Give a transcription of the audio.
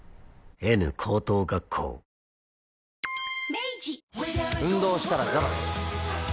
明治運動したらザバス。